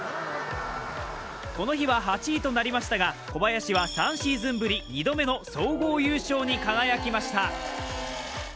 この日は８位となりましたが、小林は３シーズンぶり、２度目の総合優勝に輝きました。